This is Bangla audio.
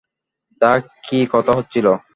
তা, কী কথা হচ্ছিল!